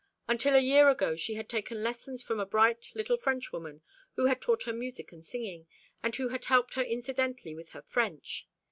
Until a year ago she had taken lessons from a bright little Frenchwoman who had taught her music and singing, and who had helped her incidentally with her French.